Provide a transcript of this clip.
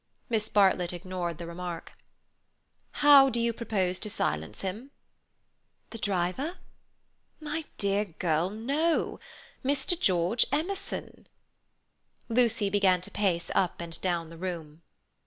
Miss Bartlett ignored the remark. "How do you propose to silence him?" "The driver?" "My dear girl, no; Mr. George Emerson." Lucy began to pace up and down the room.